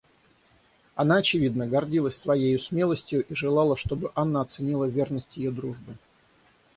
Она, очевидно, гордилась своею смелостью и желала, чтоб Анна оценила верность ее дружбы.